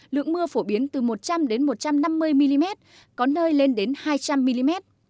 lượng mưa phổ biến từ một trăm linh một trăm năm mươi mm có nơi lên đến hai trăm linh mm